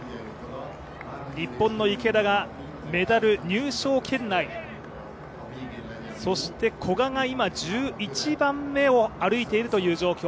日本の池田がメダル入賞圏内、そして古賀が今、１１番目を歩いているという状況。